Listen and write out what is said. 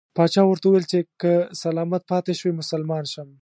پاچا ورته وویل چې که سلامت پاته شوې مسلمان شم.